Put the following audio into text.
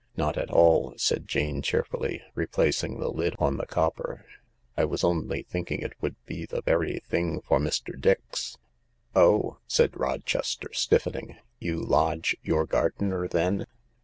" Not at all," said Jane cheerfully, replacing the lid on the copper. " I was only thinking it would be the very thing for Mr. Dix." THE LARK 159 " Oh !" said Rochester, stiffening. " You lodge your gardener then